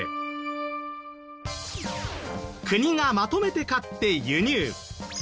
国がまとめて買って輸入。